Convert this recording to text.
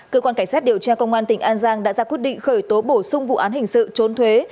cơ quan cảnh sát điều tra công an tỉnh an giang đã ra quyết định khởi tố bổ sung vụ án hình sự trốn thuế